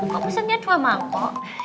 kok misalnya dua mampo